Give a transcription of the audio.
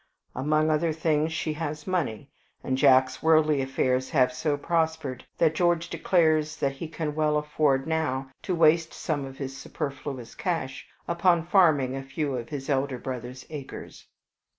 Among other things she has money, and Jack's worldly affairs have so prospered that George declares that he can well afford now to waste some of his superfluous cash upon farming a few of his elder brother's acres.